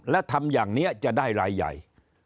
และทำอย่างนี้จะได้รายใหญ่